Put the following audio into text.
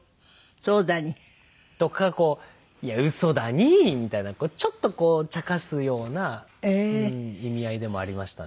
「そうだに」？とかこう「いや嘘だに」みたいなちょっとこうちゃかすような意味合いでもありましたね。